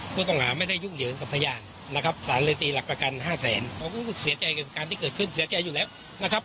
ผู้ต้องหาไม่ได้ยุ่งเหยิงกับพยานนะครับสารเลยตีหลักประกัน๕แสนเราก็รู้สึกเสียใจกับการที่เกิดขึ้นเสียใจอยู่แล้วนะครับ